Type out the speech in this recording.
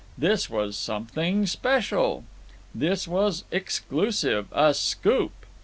This was something special. This was exclusive, a scoop.